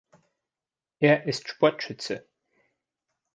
Er ist Sportschütze.